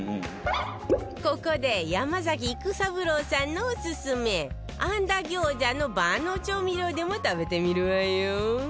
ここで山崎育三郎さんのオススメ按田餃子の万能調味料でも食べてみるわよ